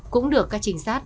cũng được các trinh sát